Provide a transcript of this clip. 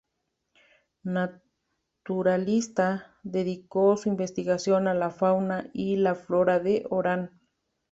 Naturalista, dedicó su investigación a la fauna y la flora de Orán.